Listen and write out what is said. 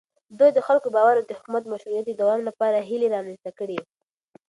ده د خلکو باور او د حکومت مشروعيت د دوام لپاره هيلې رامنځته کړې.